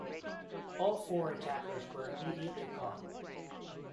All four attackers were immediately caught.